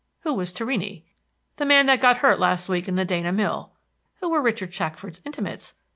Who was Torrini? The man that got hurt last week in the Dana Mill. Who were Richard Shackford's intimates?